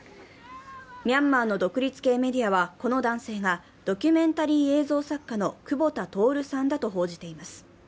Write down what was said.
ミャンマーの独立系メディアはこの男性がドキュメンタリー映像作家の久保田徹さんだと報じています。